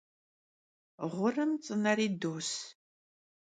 Ğurım ts'ıneri dos.